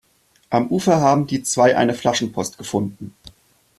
Am Ufer haben die zwei eine Flaschenpost gefunden.